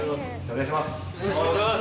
お願いします！